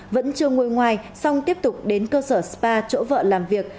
vẫn chưa ngồi ngoài xong tiếp tục đến cơ sở spa chỗ vợ làm việc